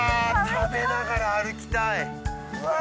食べながら歩きたいうわ